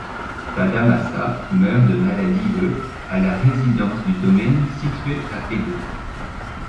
Tadamasa meurt de maladie le à la résidence du domaine situé à Edo.